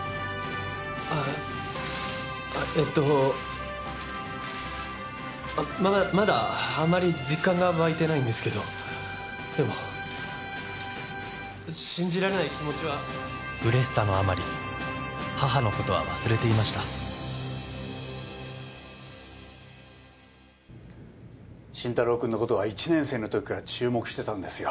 あぁえっとままだあまり実感が湧いてないんですけどでも信じられない気持ちはうれしさのあまり母のことは忘れていました慎太郎くんのことは１年生の時から注目してたんですよ